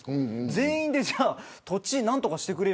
全員で土地を何とかしてくれよ。